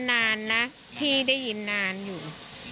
นานนะพี่ได้ยินนานอยู่